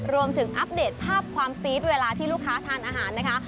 อัปเดตภาพความซีดเวลาที่ลูกค้าทานอาหารนะคะ